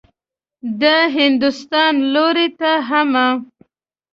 د هندوستان لوري ته حمه.